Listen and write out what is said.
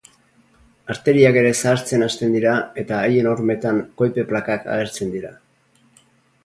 Arteriak ere zahartzen hasten dira eta haien hormetan koipe-plakak agertzen dira.